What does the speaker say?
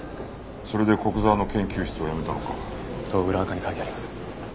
それで古久沢の研究室を辞めたのか。と裏アカに書いてあります。